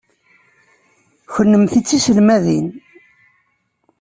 Kennemti d tiselmadin.